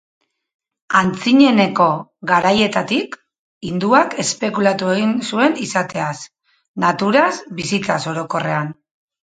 Antzineneko garaietatik, hinduak espekulatu egin zuen izateaz, naturaz, bizitzaz orokorrean.